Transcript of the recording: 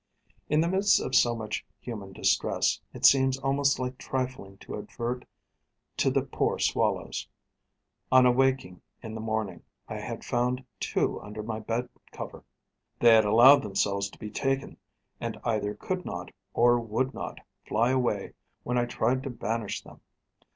In the midst of so much human distress, it seems almost like trifling to advert to the poor swallows. On awaking in the morning, I had found two under my bed cover. They allowed themselves to be taken, and either could not, or would not fly away when I tried to banish them.